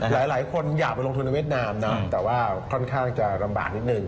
หลายคนอยากไปลงทุนในเวียดนามนะแต่ว่าค่อนข้างจะลำบากนิดนึง